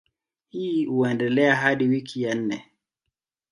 Hii huendelea hadi wiki ya nne.